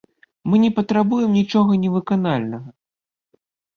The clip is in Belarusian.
Мы не патрабуем нічога невыканальнага.